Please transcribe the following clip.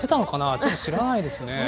ちょっと知らないですね。